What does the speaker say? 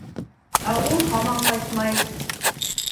Ә ул һаман ҡайтмай.